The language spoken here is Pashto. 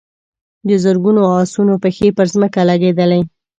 د زرګونو آسونو پښې پر ځمکه لګېدلې.